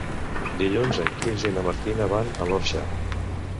Dilluns en Quirze i na Martina van a l'Orxa.